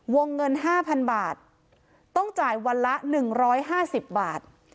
วงเงินห้าพันบาทต้องจ่ายวันละหนึ่งร้อยห้าสิบบาท